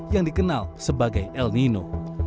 yang dikenal sebagai el nino